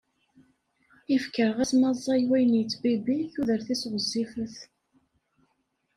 Ifker, ɣas ma ẓẓay wayen yettbibbi, tudert-is ɣezzifet.